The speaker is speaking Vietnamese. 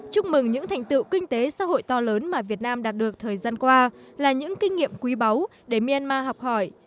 chúc mừng những thành tựu kinh tế xã hội to lớn mà việt nam đạt được thời gian qua là những kinh nghiệm quý báu để myanmar học hỏi